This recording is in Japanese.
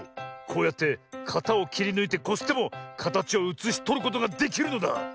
こうやってかたをきりぬいてこすってもかたちをうつしとることができるのだ。